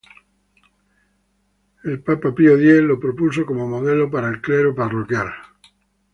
El papa Pío X lo propuso como modelo para el clero parroquial.